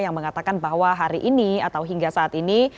yang mengatakan bahwa hari ini atau hingga saat ini